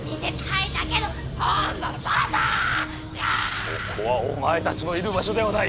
そこはお前たちのいる場所ではない！